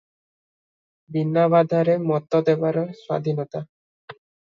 ବିନା ବାଧାରେ ମତ ଦେବାର ସ୍ୱାଧୀନତା ।